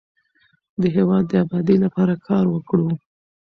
د هیواد د ابادۍ لپاره کار وکړو.